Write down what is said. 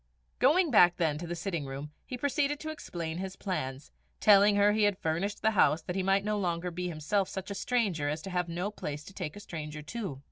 Going back then to the sitting room, he proceeded to explain his plans, telling her he had furnished the house that he might not any longer be himself such a stranger as to have no place to take a stranger to.